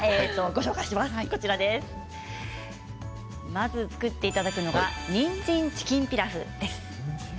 まず作っていただくのがにんじんチキンピラフです。